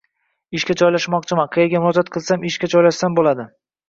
Ishga joylashmoqchiman qayerga murojaat qilsam ishga joylashsam bo‘ladi.